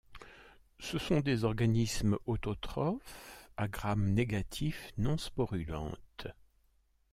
Ce sont des organismes autotrophes à Gram négatif non sporulantes.